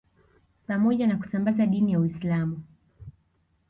Pamoja na kusambaza dini ya Uislamu